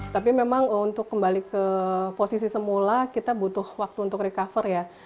tapi memang untuk kembali ke posisi semula kita butuh waktu untuk recover ya